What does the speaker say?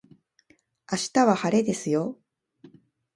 明日は晴れですよ